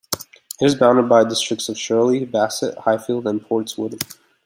It is bounded by the districts of Shirley, Bassett, Highfield and Portswood.